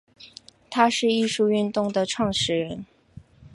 他是艺术运动的始创人。